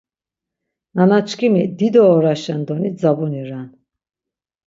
Nanaçkimi dido oraşen doni dzabuni ren.